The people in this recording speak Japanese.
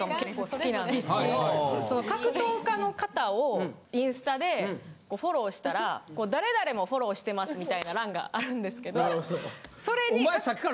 格闘家の方をインスタでフォローしたら誰々もフォローしてますみたいな欄があるんですけど。